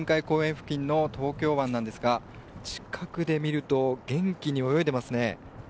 付近の東京湾なんですが近くで見ると元気に泳いでいますね。